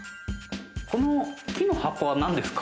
この木の葉っぱは何ですか？